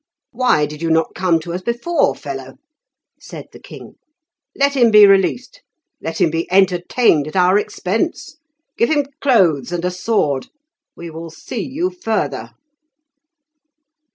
"Why did you not come to us before, fellow?" said the king. "Let him be released; let him be entertained at our expense; give him clothes and a sword. We will see you further."